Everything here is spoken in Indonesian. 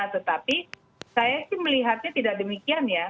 tetapi saya sih melihatnya tidak demikian ya